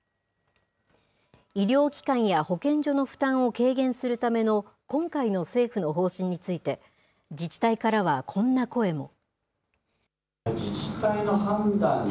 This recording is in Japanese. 医療機関や保健所の負担を軽減するための今回の政府の方針について、自治体からはこんな声も。